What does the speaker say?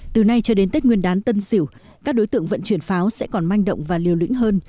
từ nay cho đến tết nguyên đán tân sỉu các đối tượng vận chuyển pháo sẽ còn manh động và liều lĩnh hơn